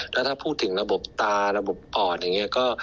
แล้วถ้าพูดถึงระบบตาระบบปอดอย่างนี้ก็